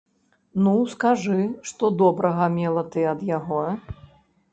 Ну, скажы, што добрага мела ты ад яго?